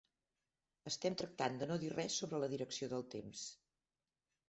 Estem tractant de no dir res sobre la direcció del temps.